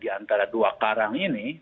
diantara dua karang ini